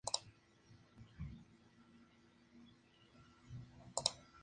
Actualmente, se ha establecido como un rival difícil de enfrentar por cualquier selección.